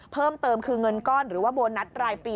เพิ่มเติมคือเงินก้อนหรือว่าโบนัสรายปี